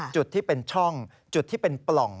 จุดที่เป็นช่องจุดที่เป็นปล่อง